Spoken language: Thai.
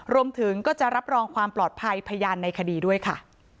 รวมถึงก็จะรับรองความปลอดภัยพยานในคดีด้วยค่ะ